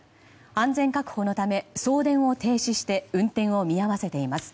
安全確保のため送電を停止して運転を見合わせています。